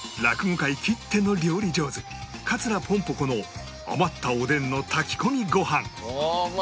落語界きっての料理上手桂ぽんぽ娘の余ったおでんの炊き込みご飯